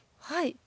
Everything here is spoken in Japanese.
はい。